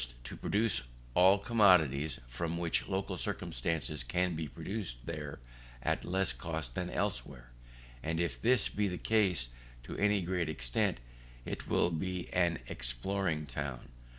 To produce all commodities which from local circumstances can be produced there at less cost than elsewhere: and if this be the case to any great extent, it will be an exporting town.